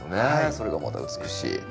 それがまた美しい。